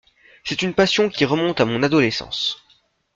C’est une passion qui remonte à mon adolescence.